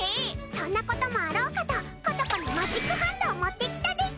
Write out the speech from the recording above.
そんなこともあろうかとことこのマジックハンドを持ってきたです。